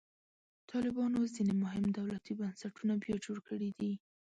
طالبانو ځینې مهم دولتي بنسټونه بیا جوړ کړي دي.